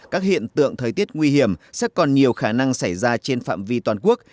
các hiện tượng thời tiết nguy hiểm sẽ còn nhiều khả năng xảy ra trên phạm vi toàn quốc